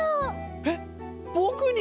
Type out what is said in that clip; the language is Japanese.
えっぼくに？